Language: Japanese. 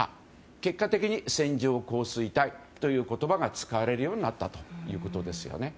結果的に線状降水帯という言葉が使われるようになったということです。